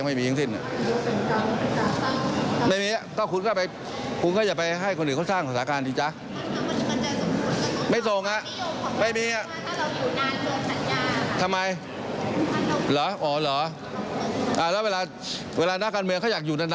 ไม่มีถ้ากระเป๋าไปรู้ก็จะไปให้ก่อนให้สร้างฐานของ